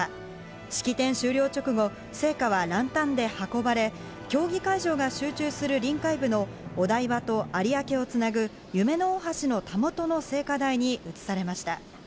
式典終了直後、聖火はランタンで運ばれ、競技会場が集中する、臨海部のお台場と有明をつなぐ夢の大橋のたもとの聖火台に移されました。